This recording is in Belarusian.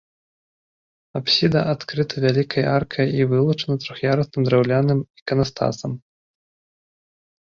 Апсіда адкрыта вялікай аркай і вылучана трох'ярусным драўляным іканастасам.